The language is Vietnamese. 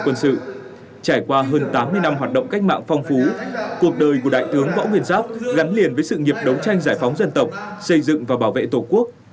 trải qua hơn tám mươi năm hoạt động cách mạng phong phú cuộc đời của đại tướng võ nguyên giáp gắn liền với sự nghiệp đấu tranh giải phóng dân tộc xây dựng và bảo vệ tổ quốc